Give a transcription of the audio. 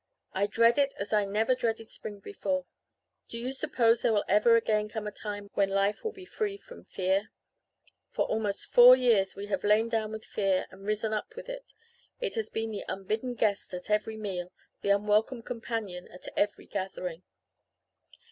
'I dread it as I never dreaded spring before. Do you suppose there will ever again come a time when life will be free from fear? For almost four years we have lain down with fear and risen up with it. It has been the unbidden guest at every meal, the unwelcome companion at every gathering.'